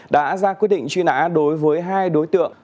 đã ra quyết định truy nã đối với hai đối tượng